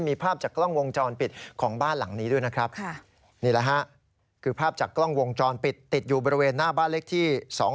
นี่แหละฮะคือภาพจากกล้องวงจรปิดติดอยู่บริเวณหน้าบ้านเลขที่๒๑๐๑๓๐